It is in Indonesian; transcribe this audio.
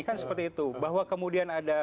kan seperti itu bahwa kemudian ada